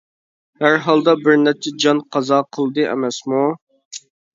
ھەر ھالدا بىر نەچچە جان قازا قىلدى ئەمەسمۇ!